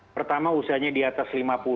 pertama usianya di atas lima puluh